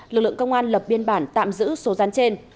lực lượng công an lập biên bản tạm giữ số rán trên